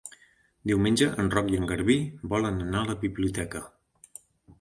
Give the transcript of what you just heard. Diumenge en Roc i en Garbí volen anar a la biblioteca.